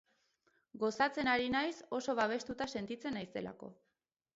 Gozatzen ari naiz oso babestuta sentitzen naizelako.